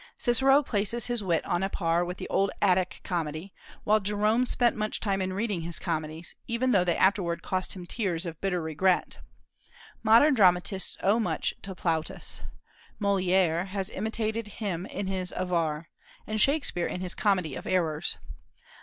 Cicero places his wit on a par with the old Attic comedy; while Jerome spent much time in reading his comedies, even though they afterward cost him tears of bitter regret. Modern dramatists owe much to Plautus. Molière has imitated him in his "Avare," and Shakspeare in his "Comedy of Errors."